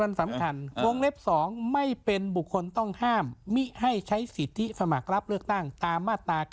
สำคัญวงเล็บ๒ไม่เป็นบุคคลต้องห้ามมิให้ใช้สิทธิสมัครรับเลือกตั้งตามมาตรา๙